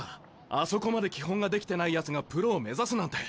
あそこまで基本ができてないやつがプロを目指すなんて。